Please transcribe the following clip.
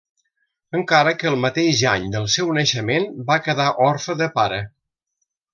Encara que el mateix any del seu naixement va quedar orfe de pare.